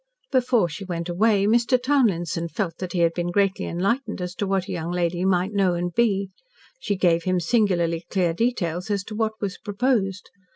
Before she went away Mr. Townlinson felt that he had been greatly enlightened as to what a young lady might know and be. She gave him singularly clear details as to what was proposed.